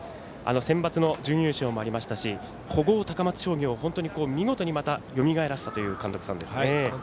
センバツの準優勝もありましたし古豪、高松商業を見事にまたよみがえらせたという監督さんですね。